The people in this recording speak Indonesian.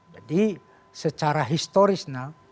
jadi secara historis